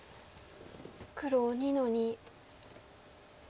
黒２の二。